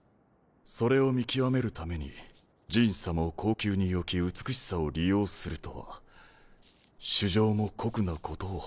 それを見極めるために壬氏さまを後宮に置き美しさを利用するとは主上も酷なことを。